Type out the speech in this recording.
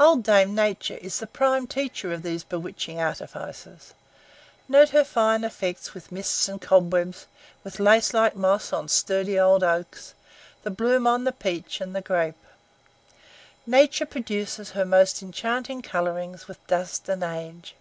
Old Dame Nature is the prime teacher of these bewitching artifices. Note her fine effects with mists and cobwebs, with lace like moss on sturdy old oaks, the bloom on the peach and the grape. Nature produces her most enchanting colorings with dust and age.